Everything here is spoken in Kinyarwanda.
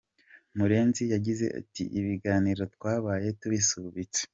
Murenzi yagize ati “Ibiganiro twabaye tubisubitse.